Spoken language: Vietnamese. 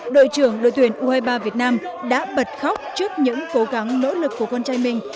đội trưởng đội tuyển u hai mươi ba việt nam đã bật khóc trước những cố gắng nỗ lực của con trai mình